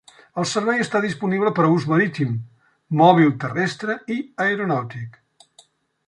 El servei està disponible per a ús marítim, mòbil terrestre i aeronàutic.